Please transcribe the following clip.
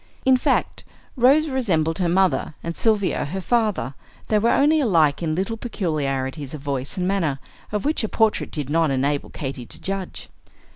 In fact, Rose resembled her mother, and Sylvia her father; they were only alike in little peculiarities of voice and manner, of which a portrait did not enable Katy to judge.